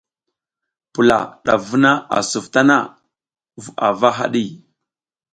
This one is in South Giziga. Pula ɗaf vuna a suf tana vu ava haɗi.